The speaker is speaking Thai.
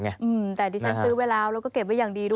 แต่ดิฉันซื้อไว้แล้วแล้วก็เก็บไว้อย่างดีด้วย